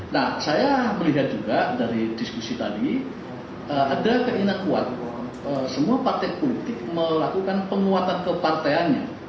nah saya melihat juga dari diskusi tadi ada keinginan kuat semua partai politik melakukan penguatan ke partai an nya